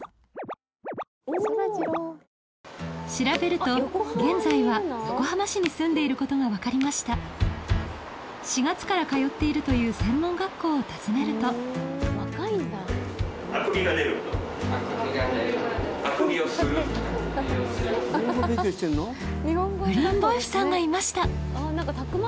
調べると現在は横浜市に住んでいることが分かりました４月から通っているという専門学校を訪ねるとウリンボエフさんがいました！